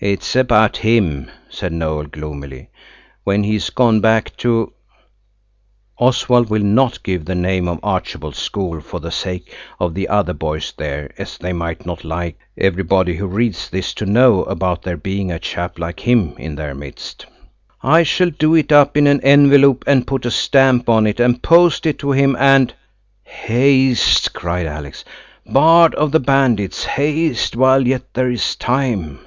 "It's about him," said Noël gloomily, "when he's gone back to–" (Oswald will not give the name of Archibald's school for the sake of the other boys there, as they might not like everybody who reads this to know about there being a chap like him in their midst.) "I shall do it up in an envelope and put a stamp on it and post it to him, and–" "Haste!" cried Alice. "Bard of the Bandits, haste while yet there's time."